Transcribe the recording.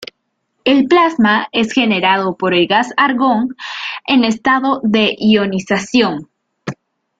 El plasma es generado por el gas argón en estado de ionización.